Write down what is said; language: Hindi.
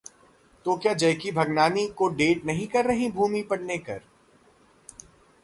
तो क्या जैकी भगनानी को डेट नहीं कर रही हैं भूमि पेडनेकर?